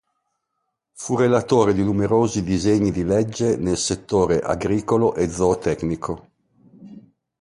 Fu relatore di numerosi disegni di legge nel settore agricolo e zootecnico.